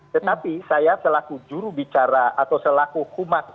tetapi saya selaku jurubicara atau selaku humas